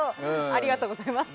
ありがとうございます。